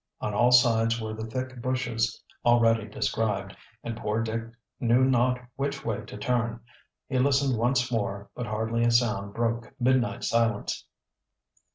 On all sides were the thick bushes already described, and poor Dick knew not which way to turn. He listened once more, but hardly a sound broke the midnight silence.